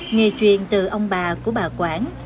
nghề truyền từ ông bà của bà quảng